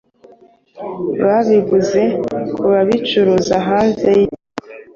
babiguze ku babicuruza hanze y’ikigo.